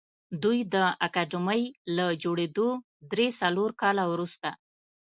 دوی د اکاډمۍ له جوړېدو درې څلور کاله وروسته